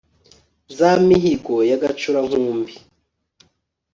za mihigo ya gacura-nkumbi